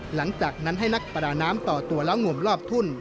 หลังจากนั้นให้นักประดาน้ำต่อตัวแล้วงวมรอบทุ่น